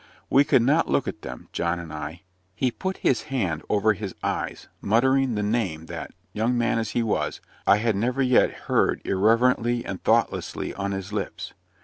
We could not look at them John and I. He put his hand over his eyes, muttering the Name that, young man as he was, I had never yet heard irreverently and thoughtlessly on his lips.